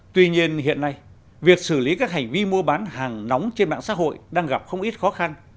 tuy nhiên hiện nay việc xử lý các hành vi mua bán hàng nóng trên mạng xã hội đang gặp không ít khó khăn